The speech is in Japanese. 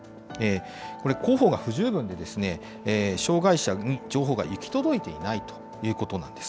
これ、広報が不十分で、障害者に情報が行き届いていないということなんです。